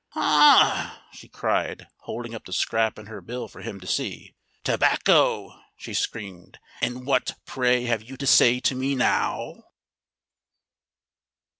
"Ha!" she cried, holding up the scrap in her bill for him to see. "Tobacco!" she screamed. "And what, pray, have you to say to me now?"